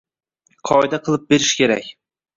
qoida qilib berish kerak